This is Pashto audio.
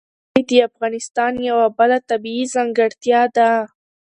کلي د افغانستان یوه بله طبیعي ځانګړتیا ده.